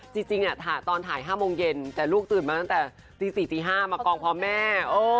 จริงตอนถ่าย๕โมงเย็นแต่ลูกตื่นมาตั้งแต่ตี๔ตี๕มากองพร้อมแม่